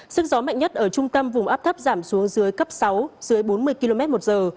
sức gió mạnh nhất ở trung tâm vùng áp thấp giảm xuống dưới cấp sáu dưới bốn mươi km một giờ